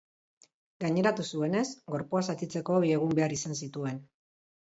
Gaineratu zuenez, gorpua zatitzeko bi egun behar izan zituen.